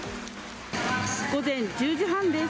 午前１０時半です。